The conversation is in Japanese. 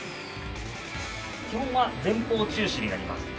基本は前方注視になります。